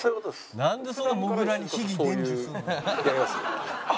「なんでそんなもぐらに秘技伝授するの？」